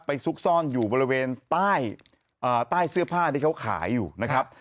ซุกซ่อนอยู่บริเวณใต้เสื้อผ้าที่เขาขายอยู่นะครับ